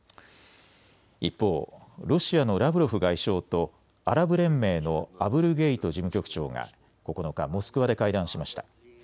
一方、ロシアのラブロフ外相とアラブ連盟のアブルゲイト事務局長が９日、モスクワで会談しました。